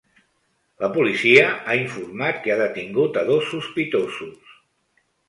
La policia ha informat que ha detingut a dos sospitosos.